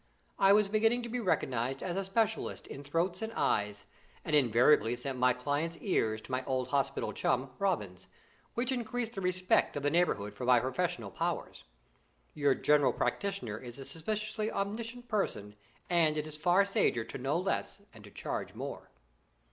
I was beginning to be recognised as a specialist in throats and eyes, and I invariably sent my clients' ears to my old hospital chum, Robins, which increased the respect of the neighbourhood for my professional powers. Your general practitioner is a suspiciously omniscient person, and it is far sager to know less and to charge more.